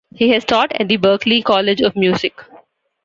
He has taught at the Berklee College of Music.